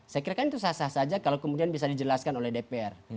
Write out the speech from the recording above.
saya kira kan itu sah sah saja kalau kemudian bisa dijelaskan oleh dpr